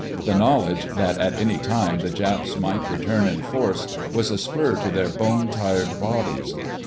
The knowledge that at any time the Japs might return in force was a spur to their bone tired bodies.